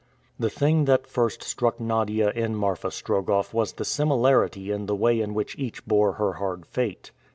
The thing that first struck Nadia in Marfa Strogoff was the similarity in the way in which each bore her hard fate.